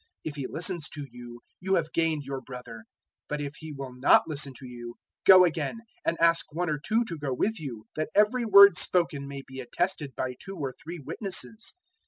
If he listens to you, you have gained your brother. 018:016 But if he will not listen to you, go again, and ask one or two to go with you, that every word spoken may be attested by two or three witnesses.